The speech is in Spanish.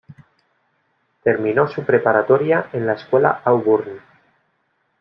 Terminó su preparatoria en la escuela Auburn.